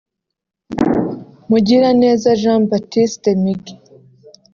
Mugiraneza Jean Baptiste Migi